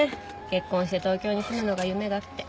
結婚して東京に住むのが夢だって。